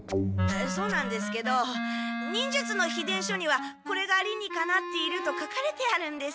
そうなんですけど忍術の秘伝書にはこれが理にかなっていると書かれてあるんです。